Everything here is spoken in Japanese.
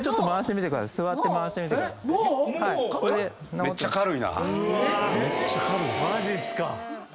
もう⁉マジっすか！